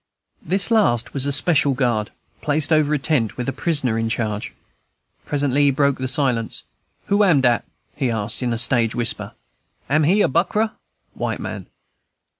This last was a special guard, placed over a tent, with a prisoner in charge. Presently he broke silence. "Who am dat?" he asked, in a stage whisper. "Am he a buckra [white man]?"